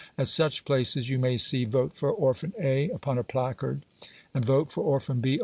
At such places you may see "Vote for orphan A." upon a placard, and "Vote for orphan B.